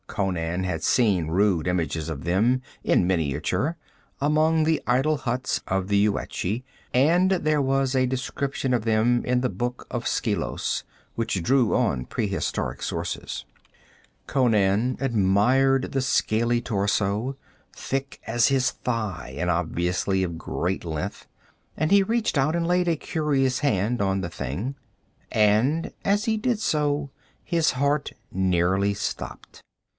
Conan had seen rude images of them, in miniature, among the idol huts of the Yuetshi, and there was a description of them in the Book of Skelos, which drew on prehistoric sources. Conan admired the scaly torso, thick as his thigh and obviously of great length, and he reached out and laid a curious hand on the thing. And as he did so, his heart nearly stopped.